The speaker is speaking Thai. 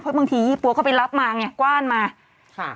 บางทียี่ปั๊วก็ไปรับมาไงกว้านมาค่ะ